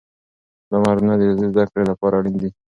دا مهارتونه د ریاضي زده کړې لپاره اړین دي.